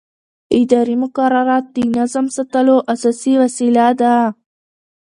اداري مقررات د نظم ساتلو اساسي وسیله ده.